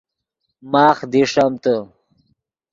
ماخ دیݰمتے